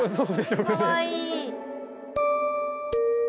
かわいい。